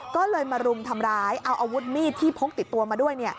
ก็เลยมารุมทำร้ายเอาอาวุธมีดที่พกติดตัวมาด้วย